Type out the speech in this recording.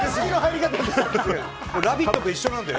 「ラヴィット！」と一緒なんで。